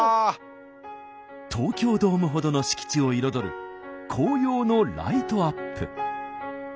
東京ドームほどの敷地を彩る紅葉のライトアップ。